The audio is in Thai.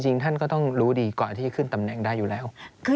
ท่านก็ต้องรู้ดีกว่าที่จะขึ้นตำแหน่งได้อยู่แล้ว